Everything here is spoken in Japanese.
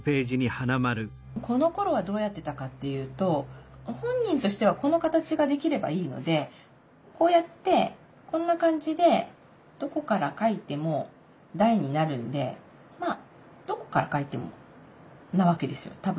このころはどうやってたかっていうと本人としてはこの形ができればいいのでこうやってこんな感じでどこから書いても「題」になるんでまあどこから書いてもなわけですよ